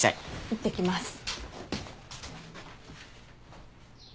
いってきます。